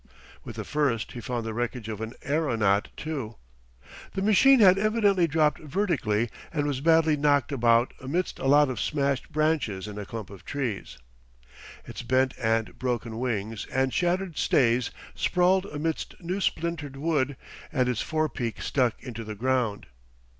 With the first he found the wreckage of an aeronaut too. The machine had evidently dropped vertically and was badly knocked about amidst a lot of smashed branches in a clump of trees. Its bent and broken wings and shattered stays sprawled amidst new splintered wood, and its forepeak stuck into the ground.